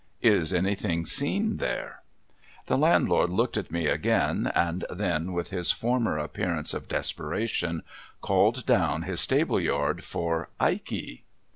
' Is anything seen there ?' The landlord looked at me again, and then, with his former ap pearance of desperation, called down his stable yard for ' Ikey